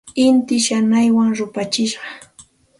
Inti shanaywan rupachishqa.